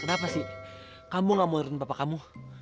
kenapa sih kamu gak mau nerutin papa kamu